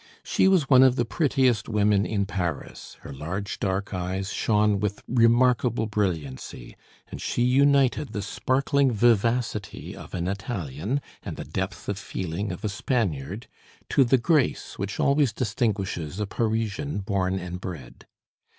She was one of the prettiest women in Paris; her large dark eyes shone with remarkable brilliancy, and she united the sparkling vivacity of an Italian and the depth of feeling of a Spaniard to the grace which always distinguishes a Parisian born and bred.